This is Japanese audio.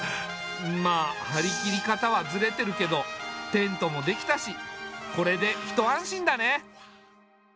まあ張り切り方はずれてるけどテントもできたしこれで一安心だね。